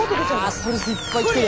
ストレスいっぱい来てる！